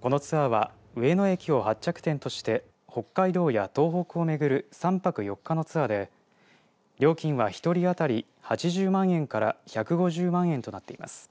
このツアーは上野駅を発着点として北海道や東北を巡る３泊４日のツアーで料金は１人当たり８０万円から１５０万円となっています。